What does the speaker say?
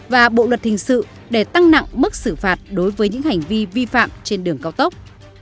và bộ luật hình sự để tăng nặng mức xử phạt đối với những hành vi vi phạm trên đường cao tốc